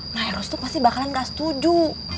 nah ya harus tuh pasti bakalan ga setuju